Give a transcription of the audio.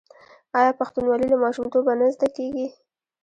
آیا پښتونولي له ماشومتوبه نه زده کیږي؟